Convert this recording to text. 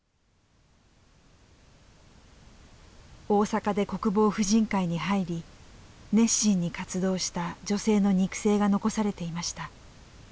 大阪で国防婦人会に入り熱心に活動した女性の肉声が残されていました。